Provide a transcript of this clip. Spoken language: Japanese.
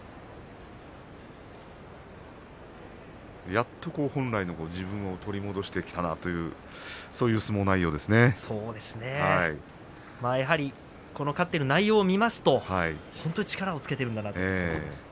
やっと本来の自分を取り戻してきたなというやはりこの勝っている内容を見ますと本当に力をつけているんだなと。